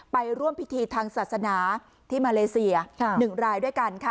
ไปร่วมพิธีทางศาสนาที่มาเลเซีย๑รายด้วยกันค่ะ